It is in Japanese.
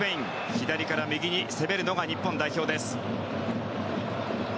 左から右に攻めるのが日本代表です。